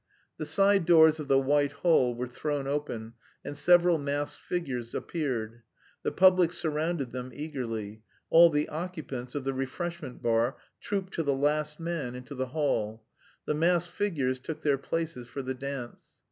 The side doors of the White Hall were thrown open and several masked figures appeared. The public surrounded them eagerly. All the occupants of the refreshment bar trooped to the last man into the hall. The masked figures took their places for the dance.